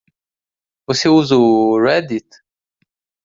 Você usa o Reddit?